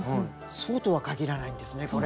そうとは限らないんですねこれが。